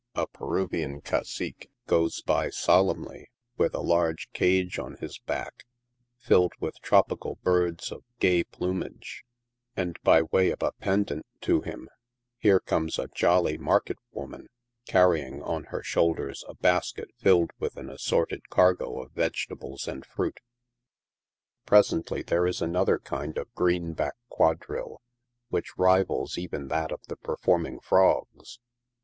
^ A Pe ruvian cacique goes by, solemnly, with a large cage on his back, filled with tropical birds of gay plumage ; and, byway of a pendant to him, here comes a jolly market woman, carrying on her shoulders a basket filled with an assorted cargo of vegetables and fruit. 116 NIGHT SIDE OF NEW YORK. Presently there is another kind of greenback quadrille, which ri vals even that of the performing frogs.